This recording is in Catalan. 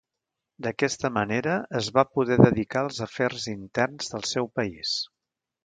D'aquesta manera es va poder dedicar als afers interns del seu país.